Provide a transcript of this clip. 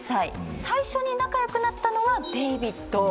最初に仲良くなったのはデイビッド。